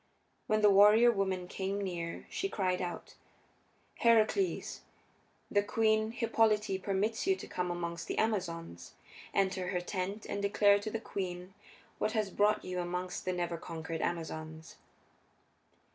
When the warrior woman came near she cried out, "Heracles, the Queen Hippolyte permits you to come amongst the Amazons. Enter her tent and declare to the queen what has brought you amongst the never conquered Amazons."